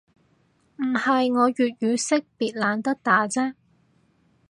唔係，我粵語識別懶得打啫